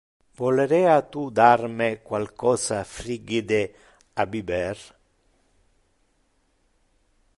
Volerea tu dar me qualcosa frigide a biber?